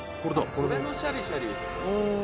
それのシャリシャリ。